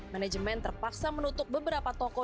manajemen terpaksa menutup beberapa toko